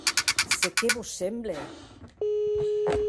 Se qué vos semble?